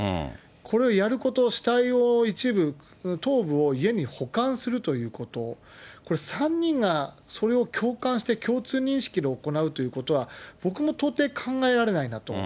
これをやること、死体を一部、頭部を家に保管するということ、これ、３人がそれを共感して、共通認識で行うということは、僕も到底考えられないなと。